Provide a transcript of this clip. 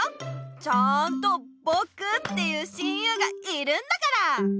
ちゃあんとぼくっていう親友がいるんだから！